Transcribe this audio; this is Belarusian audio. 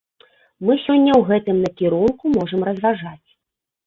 Мы сёння ў гэтым накірунку можам разважаць.